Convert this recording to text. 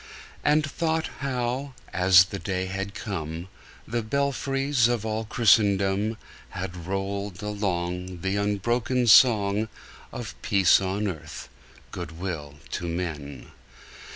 And thought how, as the day had come, The belfries of all Christendom Had rolled along The unbroken song Of peace on earth, good will to men!